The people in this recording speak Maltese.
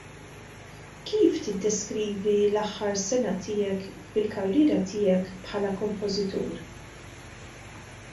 Kif tiddeskrivi l-aħħar sena tiegħek fil-karriera tiegħek bħala kompożitur?